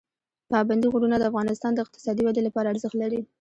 پابندی غرونه د افغانستان د اقتصادي ودې لپاره ارزښت لري.